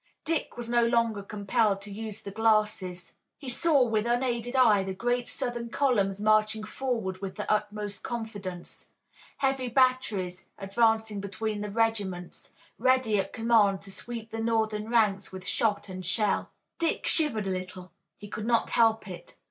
Dick was no longer compelled to use the glasses. He saw with unaided eye the great Southern columns marching forward with the utmost confidence, heavy batteries advancing between the regiments, ready at command to sweep the Northern ranks with shot and shell. Dick shivered a little. He could not help it.